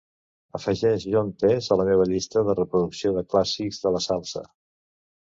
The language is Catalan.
Afegeix John Tesh a la meva llista de reproducció de clàssics de la salsa.